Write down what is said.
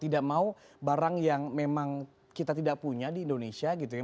tidak mau barang yang memang kita tidak punya di indonesia gitu ya